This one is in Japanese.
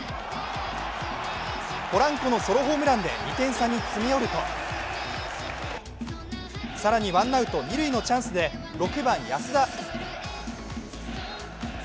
ポランコのソロホームランで２点差に詰め寄ると、更にワンアウト・二塁のチャンスで６番・安田。